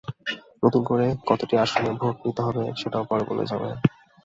নতুন করে কতটি আসনে ভোট নিতে হবে, সেটাও পরে বলা যাবে।